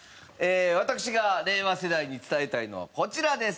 私が令和世代に伝えたいのはこちらです。